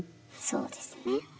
そうですね。